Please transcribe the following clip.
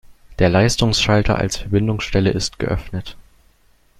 Der Leistungsschalter als Verbindungsstelle ist geöffnet.